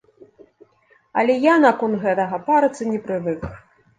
Але я наконт гэтага парыцца не прывык.